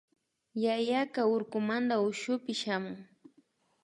Yayaka urkumanta ushupi shamun